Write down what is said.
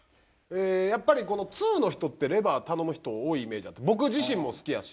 やっぱり通の人ってレバー頼む人多いイメージ僕自身も好きやし。